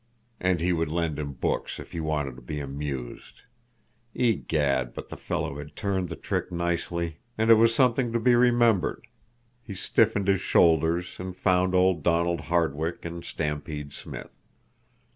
And he would lend him books, if he wanted to be amused! Egad, but the fellow had turned the trick nicely. And it was something to be remembered. He stiffened his shoulders and found old Donald Hardwick and Stampede Smith.